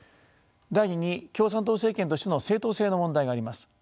第２に共産党政権としての正当性の問題があります。